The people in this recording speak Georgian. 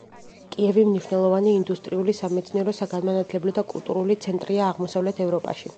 კიევი მნიშვნელოვანი ინდუსტრიული, სამეცნიერო, საგანმანათლებლო და კულტურული ცენტრია აღმოსავლეთ ევროპაში.